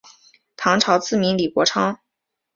唐朝赐名李国昌。